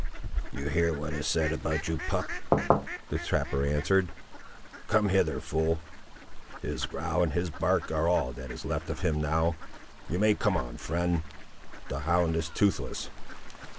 "You hear what is said about you, pup?" the trapper answered; "come hither, fool. His growl and his bark are all that is left him now; you may come on, friend; the hound is toothless."